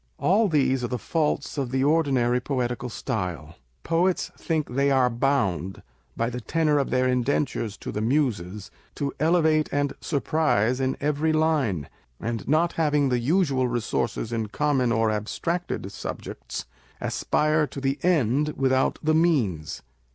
All these are the faults of the ordinary poetical style. Poets think they are bound by the tenour of their indentures to the Muses, to " elevate and surprise " in every line ; and not having the usual resources in common or abstracted subjects, aspire to the end with out the means.